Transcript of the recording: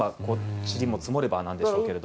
ちりも積もればなんでしょうけど。